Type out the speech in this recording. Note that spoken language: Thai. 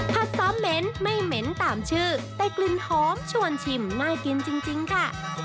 ซ้อมเหม็นไม่เหม็นตามชื่อแต่กลิ่นหอมชวนชิมน่ากินจริงค่ะ